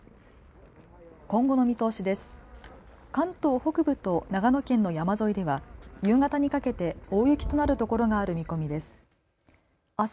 今後の見通しです。